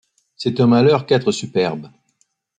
C'est un malheur qu'être superbe ;